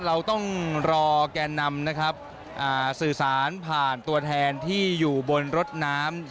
เราต้องรอแกนนำนะครับสื่อสารผ่านตัวแทนที่อยู่บนรถน้ำ